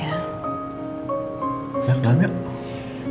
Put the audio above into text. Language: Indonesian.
ya ke dalam ya